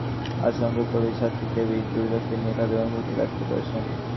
বঙ্কিমচন্দ্রের কথা আগেই বলেছি, অসংখ্য কবি-সাহিত্যিক দেবী দুর্গাকে নিয়ে তাঁদের অনুভূতি ব্যক্ত করেছেন।